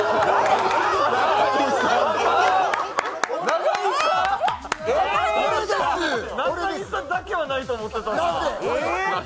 中西さんだけはないと思ってた。